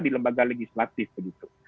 di lembaga legislatif begitu